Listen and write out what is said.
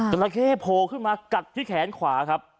ราเข้โผล่ขึ้นมากัดที่แขนขวาครับ